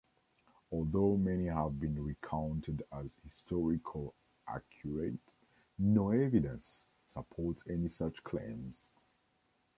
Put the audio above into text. Although many have been recounted as historical accurate, no evidence supports any such claims.